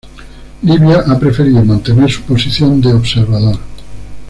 Libia ha preferido mantener su posición de observador.